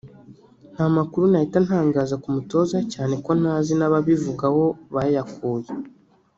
nta makuru nahita ntangaza ku mutoza cyane ko ntazi n’ababivuga aho bayakuye